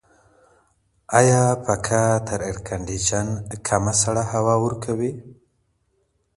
آیا پکه تر ایرکنډیشن کمه سړه هوا ورکوي؟